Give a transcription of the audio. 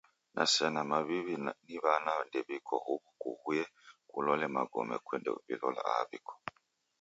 Na sena mawiwi niwana ndewiko huwu kuwuye kulole magome kwenda wilola aha wiko.